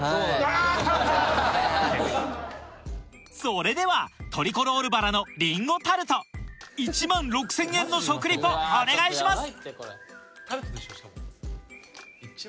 それではトリコロール薔薇のリンゴタルト１万６０００円の食リポお願いします！